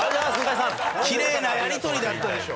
奇麗なやりとりだったでしょ。